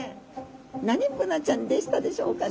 何ブナちゃんでしたでしょうかね？